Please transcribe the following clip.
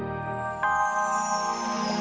rupanya kita hancurkan